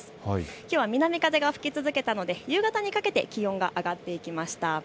きょうは南風が吹き続けたので夕方にかけて気温が上がっていきました。